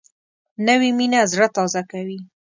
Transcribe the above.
نوې مینه زړه تازه کوي